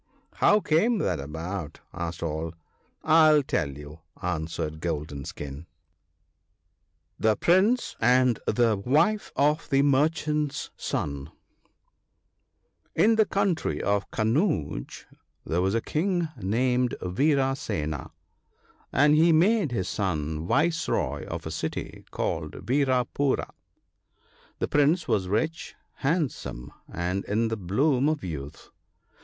" How came that about ?" asked all. " I'll tell you," answered Golden skin. THE WINNING OF FRIENDS. 49 ^Hje prince anti tfje U^ffe of tfje !N the country of Kanouj there was a King named Virasena, and he made his son viceroy of a city called Virapoora. The Prince was rich, handsome, and in the bloom of youth.